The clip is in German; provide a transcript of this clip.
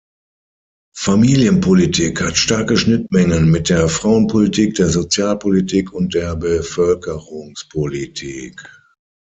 Familienpolitik hat starke Schnittmengen mit der Frauenpolitik, der Sozialpolitik und der Bevölkerungspolitik.